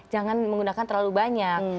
jangan menggunakan terlalu banyak